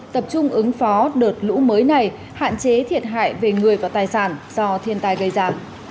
tập trung ứng phó đợt lũ mới này hạn chế thiệt hại về người và tài sản do thiên tai gây ra